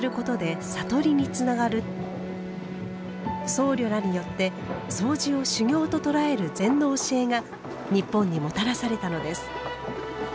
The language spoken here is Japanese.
僧侶らによって「そうじを修行」と捉える禅の教えが日本にもたらされたのです。